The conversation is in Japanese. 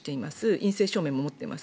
陰性証明も持っています。